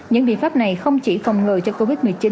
những biện pháp này không chỉ phòng ngừa cho covid một mươi chín